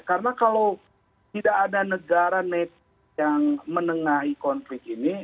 karena kalau tidak ada negara net yang menengahi konflik ini